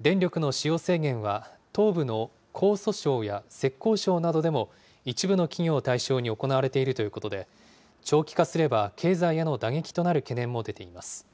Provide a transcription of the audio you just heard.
電力の使用制限は、東部の江蘇省や浙江省などでも、一部の企業を対象に行われているということで、長期化すれば経済への打撃となる懸念も出ています。